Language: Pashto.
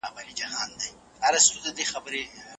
ولي هوډمن سړی د لایق کس په پرتله موخي ترلاسه کوي؟